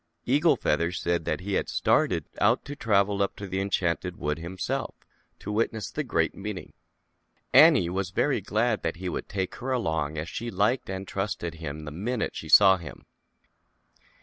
Eagle Feather said he had started out to travel up to the Enchanted Wood himself to witness the Great Meeting. Annie was very glad that he would take her along as she liked and trusted him the minute she saw him.